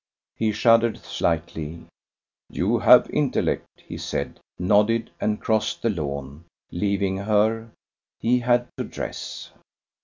He shuddered slightly. "You have intellect," he said, nodded, and crossed the lawn, leaving her. He had to dress.